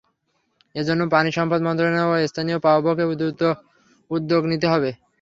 এ জন্য পানিসম্পদ মন্ত্রণালয় ও স্থানীয় পাউবোকে দ্রুত উদ্যোগ নিতে হবে।